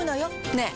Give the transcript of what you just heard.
ねえ。